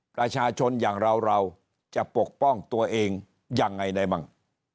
ประชาชนอย่างเราจะปกป้องตัวเองอย่างไงได้บ้าง